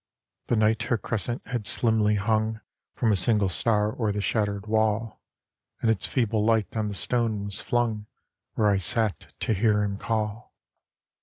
The night her crescent had slimly hung From a single star o'er the shattered wall, And its feeble light on the stone was flung Where I sat to hear him call.